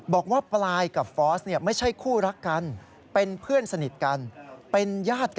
บอกว่าปลายกับฟอสไม่ใช่คู่รักกันเป็นเพื่อนสนิทกัน